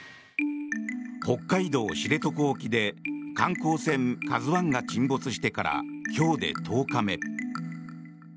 北海道・知床沖で観光船「ＫＡＺＵ１」が沈没してから、今日で１０日目。